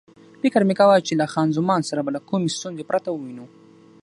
فکر مې کاوه چې له خان زمان سره به له کومې ستونزې پرته ووینو.